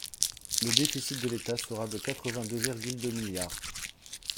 Le déficit de l’État sera de quatre-vingt-deux virgule deux milliards.